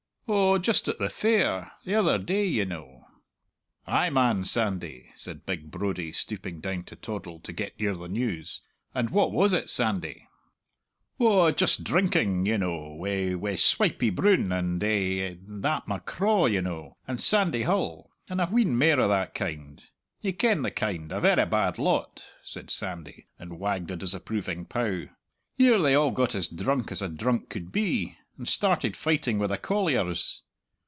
"Oh, just at the fair; the other day, ye know!" "Ay, man, Sandy!" said big Brodie, stooping down to Toddle to get near the news; "and what was it, Sandy?" "Ou, just drinking, ye know, wi' wi' Swipey Broon and, eh, and that M'Craw, ye know and Sandy Hull and a wheen mair o' that kind ye ken the kind; a verra bad lot!" said Sandy, and wagged a disapproving pow. "Here they all got as drunk as drunk could be, and started fighting wi' the colliers!